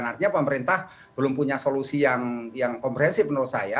artinya pemerintah belum punya solusi yang komprehensif menurut saya